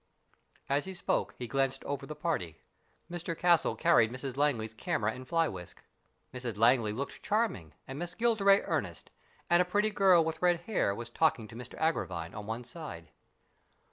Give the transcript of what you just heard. As he spoke he glanced over the party. Mr Castle carried Mrs Langley's camera and fly whisk. Mrs Langley looked charming and Miss Gilderay earnest, and a pretty girl with red hair was talking to Mr Agravine on one side.